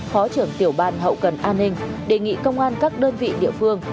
phó trưởng tiểu ban hậu cần an ninh đề nghị công an các đơn vị địa phương